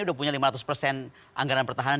udah punya lima ratus persen anggaran pertahanan